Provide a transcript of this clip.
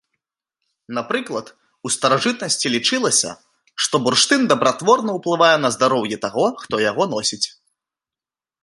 Напрыклад, у старажытнасці лічылася, што бурштын дабратворна ўплывае на здароўе таго, хто яго носіць.